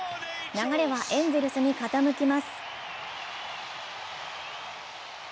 流れはエンゼルスに傾きます。